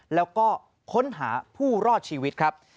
แล้วก็ค้นหาผู้รอดชีวิตครับ